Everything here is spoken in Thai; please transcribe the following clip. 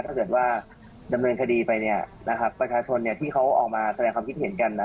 ถ้าเกิดว่าดำเนินคดีไปเนี่ยนะครับประชาชนที่เขาออกมาแสดงความคิดเห็นกันนะ